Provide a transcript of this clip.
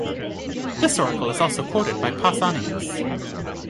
This oracle is also quoted by Pausanias.